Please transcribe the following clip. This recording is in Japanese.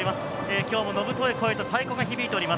今日も野太い声と太鼓が響いています。